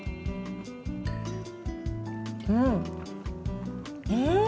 うんうん。